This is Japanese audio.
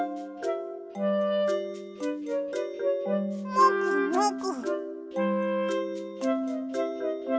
もぐもぐ。